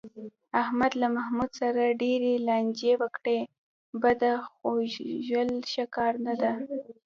احمد له محمود سره ډېرې لانجې وکړې، بده خوښول ښه کار نه دی.